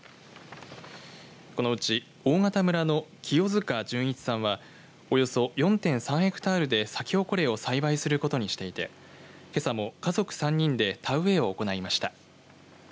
このうち大潟村の清塚淳一さんはおよそ４．３ヘクタールでサキホコレを栽培することにしていてけさも家族３人で田植えを行いました。